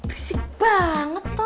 risik banget toh